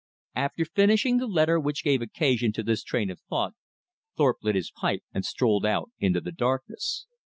After finishing the letter which gave occasion to this train of thought, Thorpe lit his pipe and strolled out into the darkness.